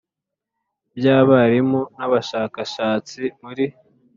By Abarimu N Abashakashatsi Muri